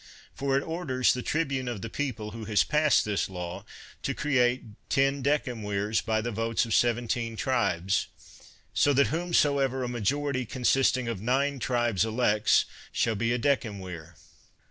For it orders the tribune of the people who has passed this law to create ten decemvirs by the votes of seventeen tribes, so that whomsoever a majority consisting of nine tribes elects, shall be a decemvir."